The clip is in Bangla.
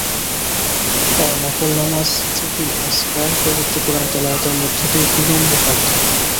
তাঁরা নফল নামাজ, জিকির-আজকার, পবিত্র কোরআন তিলাওয়াতের মধ্য দিয়ে বিনম্র প্রার্থনা করেন।